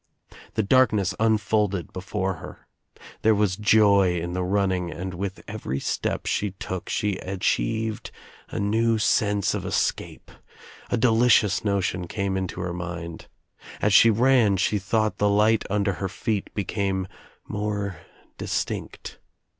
The darkness unfolded before her. There was joy in the running and with every step she took she achieved a new sense of escape. A de licious notion came into her mind. As she ran she thought the light under her feet became more distinct.